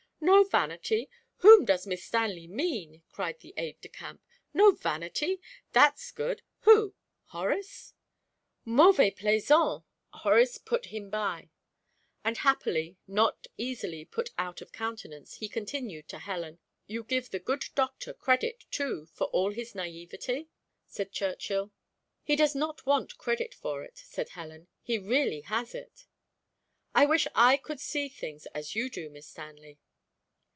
"No vanity! Whom does Miss Stanley mean?" cried the aide de camp. "No vanity? that's good. Who? Horace?" "Mauvais plaisant!" Horace put him by, and, happily not easily put out of countenance, he continued to Helen, "You give the good doctor credit, too, for all his naïveté?" said Churchill. "He does not want credit for it," said Helen, "he really has it." "I wish I could see things as you do, Miss Stanley."